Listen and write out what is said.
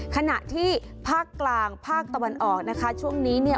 ขณะที่ภาคกลางภาคตะวันออกนะคะช่วงนี้เนี่ย